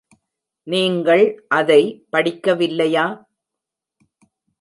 நீங்கள் அதை படிக்க வில்லையா?